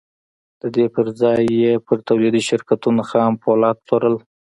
د دې پر ځای یې پر تولیدي شرکتونو خام پولاد پلورل